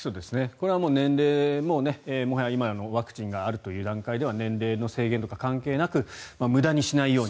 これは年齢もワクチンがあるという段階では年齢の制限とか関係なく無駄にしないように。